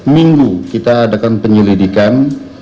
minggu kita adakan penyelidikan